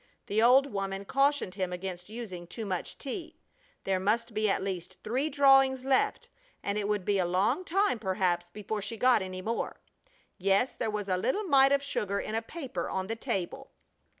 The old woman cautioned him against using too much tea. There must be at least three drawings left, and it would be a long time, perhaps, before she got any more. Yes, there was a little mite of sugar in a paper on the table.